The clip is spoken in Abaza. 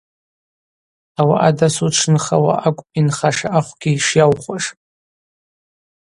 Ауаъа дасу дшынхауа акӏвпӏ йынхаша ахвгьи шйаухуаш.